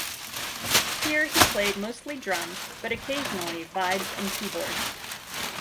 Here he played mostly drums, but occasionally vibes and keyboards.